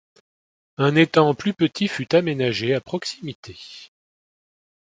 Un étang plus petit fut aménagé à proximité.